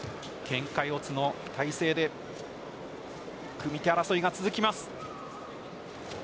ケンカ四つの体勢で組み手争いが続きます。